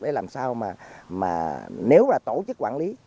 để làm sao mà nếu là tổ chức quản lý